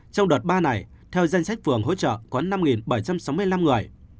trong đợt ba này theo danh sách phường hỗ trợ có năm bảy trăm sáu mươi năm người